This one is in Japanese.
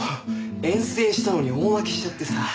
遠征したのに大負けしちゃってさ。